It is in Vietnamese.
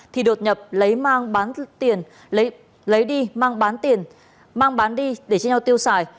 thì đột nhập lấy đi mang bán đi để cho nhau tiêu xài